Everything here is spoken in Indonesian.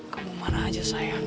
nasional anda kah digunakan